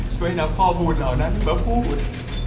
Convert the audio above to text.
ช่วยนำข้อมูลเหล่านั้นมาพูด